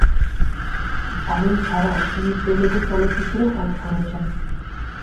তামিল ছাড়াও তিনি তেলুগু চলচ্চিত্রেও কাজ করেছেন।